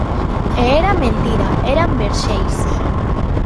E era mentira: eran verxeis.